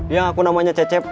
yang aku namanya cecep